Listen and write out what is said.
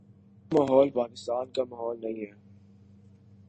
وہ ماحول پاکستان کا ماحول نہیں ہے۔